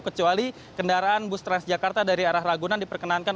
kecuali kendaraan bus transjakarta dari arah ragunan diperkenankan